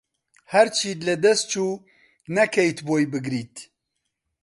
هەرچیت لەدەست چو نەکەیت بۆی بگریت